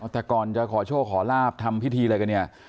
แต่ก่อนจะขอโชคขอลาบทำพิธีอะไรกันเนี่ย